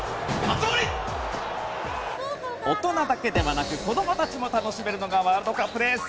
大人だけではなく子どもたちも楽しめるのがワールドカップです。